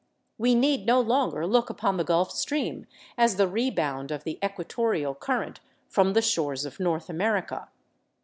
We need no longer look upon the Gulf Stream as the rebound of the equatorial current from the shores of North America.